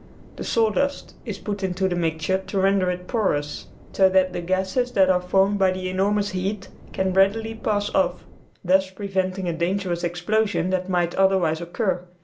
The sawdust is put into the mixture to render it porous so that the gases that are formed by the enormous heat can readily pass off, thus preventing a dangerous explosion that might otherwise occur.